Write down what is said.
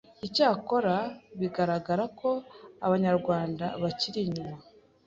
icyakora bigaragara ko Abanyarwanda bakiri inyuma